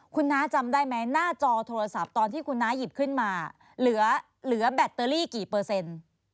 คุณน้าจำได้ไหมหน้าจอโทรศัพท์ตอนที่คุณน้าหยิบขึ้นมาเหลือแบตเตอรี่กี่เปอร์เซ็นต์